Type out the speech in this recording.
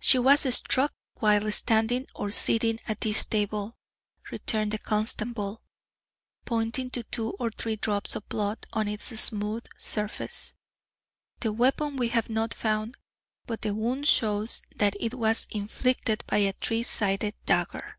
"She was struck while standing or sitting at this table," returned the constable, pointing to two or three drops of blood on its smooth surface. "The weapon we have not found, but the wound shows that it was inflicted by a three sided dagger."